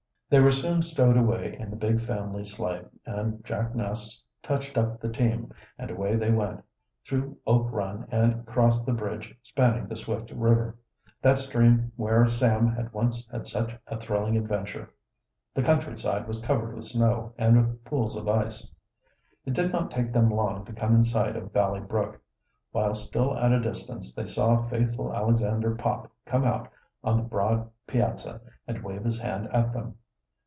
They were soon stowed away in the big family sleigh, and Jack Ness touched up the team, and away they went, through Oak Run and across the bridge spanning the Swift River that stream where Sam had once had such a thrilling adventure. The countryside was covered with snow and with pools of ice. It did not take them long to come in sight of Valley Brook. While still at a distance they saw faithful Alexander Pop come out on the broad piazza and wave his hand at them.